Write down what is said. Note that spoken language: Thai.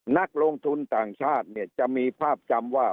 นักลงทุนต่างชาติเนี่ยจะมีภาพจำว่า